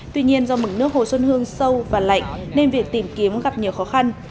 tuy nhiên do mực nước hồ xuân hương sâu và lạnh nên việc tìm kiếm gặp nhiều khó khăn